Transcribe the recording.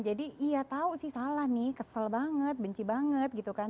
jadi iya tau sih salah nih kesel banget benci banget gitu kan